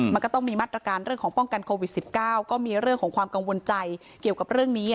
มันก็ต้องมีมาตรการเรื่องของป้องกันโควิด๑๙ก็มีเรื่องของความกังวลใจเกี่ยวกับเรื่องนี้